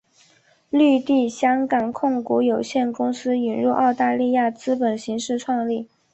绿地香港控股有限公司引入澳大利亚资本形式创立。